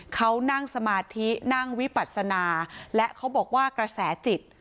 เขานั่งสมาธินั่งวิปัศนาและเขาบอกว่ากระแสจิต